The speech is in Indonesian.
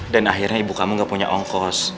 dan akhirnya ibu kamu gak punya ongkong